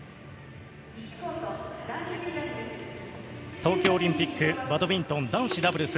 東京オリンピック、バドミントン男子ダブルス。